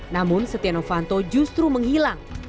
namun setianofanto justru menghilang